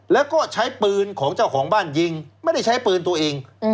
แล้วก็ใช้ปืนของเจ้าของบ้านยิงไม่ได้ใช้ปืนตัวเอง